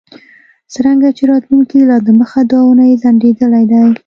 څرنګه چې راتلونکی لا دمخه دوه اونۍ ځنډیدلی دی